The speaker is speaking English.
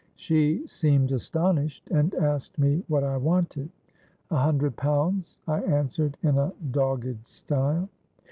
She seemed astonished, and asked me what I wanted. 'A hundred pounds,' I answered in a dogged style.